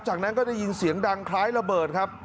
จากนั้นก็ได้ยินเสียงดังคล้ายระเบิดครับ